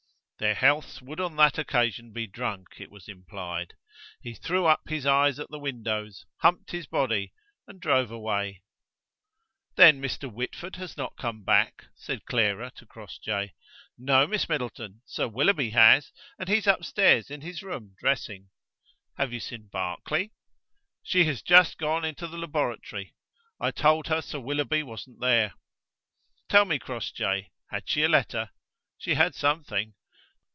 Their healths would on that occasion be drunk, it was implied. He threw up his eyes at the windows, humped his body and drove away. "Then Mr. Whitford has not come back?" said Clara to Crossjay. "No, Miss Middleton. Sir Willoughby has, and he's upstairs in his room dressing." "Have you seen Barclay?" "She has just gone into the laboratory. I told her Sir Willoughby wasn't there." "Tell me, Crossjay, had she a letter?" "She had something."